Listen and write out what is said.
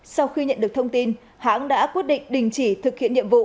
sau khi nhận được thông tin hãng đã quyết định đình chỉ thực hiện nhiệm vụ